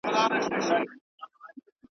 په خپلوانو کي عمه غيم، په چايو کي شمه غيم.